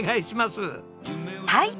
はい。